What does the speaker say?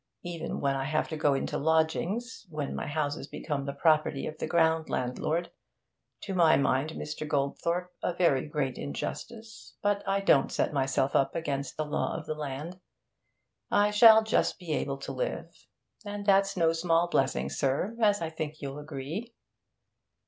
Even when I have to go into lodgings, when my houses become the property of the ground landlord to my mind, Mr. Goldthorpe, a very great injustice, but I don't set myself up against the law of the land I shall just be able to live. And that's no small blessing, sir, as I think you'll agree.'